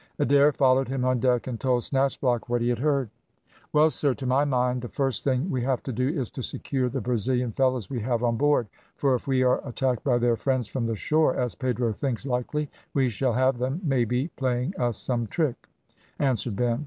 Adair followed him on deck, and told Snatchblock what he had heard. "Well, sir, to my mind the first thing we have to do is to secure the Brazilian fellows we have on board, for if we are attacked by their friends from the shore, as Pedro thinks likely, we shall have them, may be, playing us some trick," answered Ben.